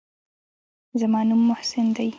زما نوم محسن دى.